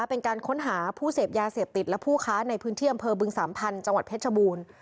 เป็นการค้นหาผู้เสพยาเสพติดและผู้ค้าในพื้นที่อำเภอบึงสามพันธุ์จังหวัดเพชรบูรณ์